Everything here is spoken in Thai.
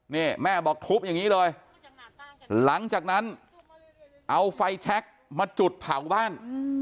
นี่แม่บอกทุบอย่างนี้เลยหลังจากนั้นเอาไฟแชคมาจุดเผาบ้าน